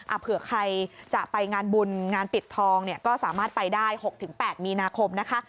เผื่อใครจะไปงานบุญงานปิดทองเนี่ยก็สามารถไปได้๖๘มีนาคมนะคะ